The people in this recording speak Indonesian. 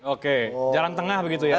oke jalan tengah begitu ya